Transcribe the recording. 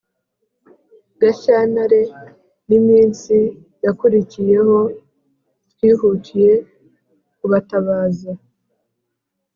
gashyantaren’iminsi yakurikiyeho, twihutiyekubatabaza